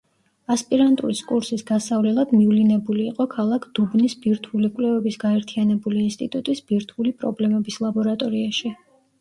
ასპირანტურის კურსის გასავლელად მივლინებული იყო ქალაქ დუბნის ბირთვული კვლევების გაერთიანებული ინსტიტუტის ბირთვული პრობლემების ლაბორატორიაში.